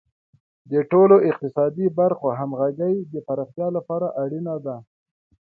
د ټولو اقتصادي برخو همغږي د پراختیا لپاره اړینه ده.